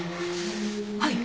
はい。